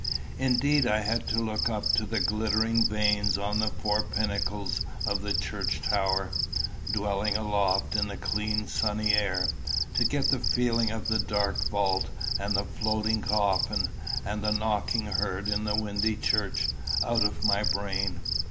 Indeed I had to look up to the glittering vanes on the four pinnacles of the church tower, dwelling aloft in the clean sunny air, to get the feeling of the dark vault, and the floating coffin, and the knocking heard in the windy church, out of my brain.